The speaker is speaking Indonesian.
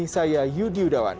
ini saya yudi udawan